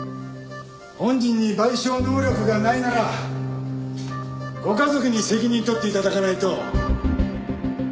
本人に賠償能力がないならご家族に責任取って頂かないと。